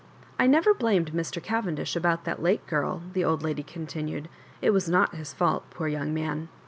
"I never blamed Mr. Cavendish about that Lake girl," the old lady continued. "It was not his fault, poor young man.